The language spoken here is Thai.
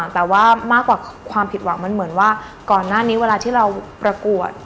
แต่ว่ามากกว่าความผิดหวังมันเหมือนว่าก่อนหน้านี้เวลาที่เราประกวด